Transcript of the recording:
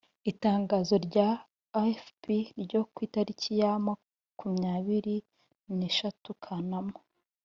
itangazo rya afp ryo ku itariki ya makumyabiri neshatu kanama